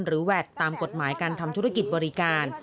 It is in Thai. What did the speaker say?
แวดตามกฎหมายการทำธุรกิจบริการ